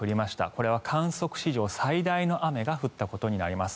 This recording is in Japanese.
これは観測史上最大の雨が降ったことになります。